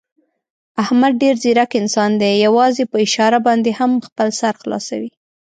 احمد ډېر ځیرک انسان دی، یووازې په اشاره باندې هم خپل سر خلاصوي.